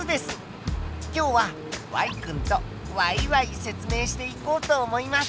今日は君とワイワイ説明していこうと思います。